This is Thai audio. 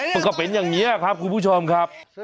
มันก็เป็นอย่างนี้ครับคุณผู้ชมครับ